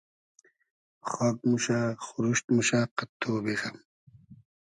خاگ موشۂ خوروشت موشۂ قئد تۉبی غئم